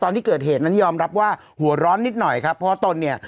ที่เกิดเหตุนั้นยอมรับว่าหัวร้อนนิดหน่อยครับเพราะว่าตนเนี่ย